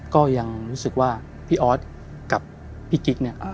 ก็ยังรู้สึกว่าพี่ออสกับพี่กิ๊กเนี่ย